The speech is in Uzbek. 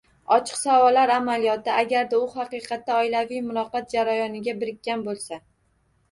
Ochiq savollar amaliyoti, agarda u haqiqatda oilaviy muloqot jarayoniga birikkan bo‘lsa